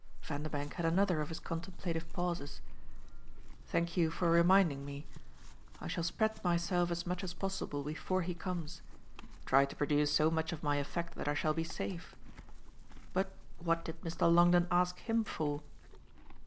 Vanderbank had another of his contemplative pauses. "Thank you for reminding me. I shall spread myself as much as possible before he comes try to produce so much of my effect that I shall be safe. But what did Mr. Longdon ask him for?"